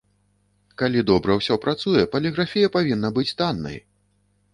Калі добра ўсё працуе, паліграфія павінна быць таннай.